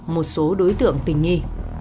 một số đối tượng tình nghi